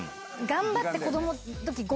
頑張って子供の時。